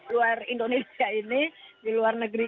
luar indonesia ini di luar negeri